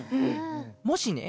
もしね